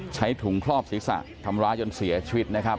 ใช้ถุงครอบศิษย์ศาสตร์ทำร้าจนเสียชีวิตนะครับ